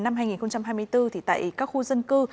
năm hai nghìn hai mươi bốn tại các khu dân cư